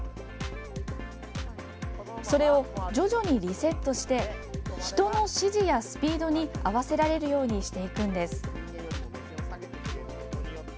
それを徐々にリセットして人の指示やスピードに合わせられるようにしていくんです。